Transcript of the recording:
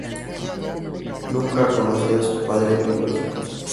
Nunca ha conocido a sus padres biológicos.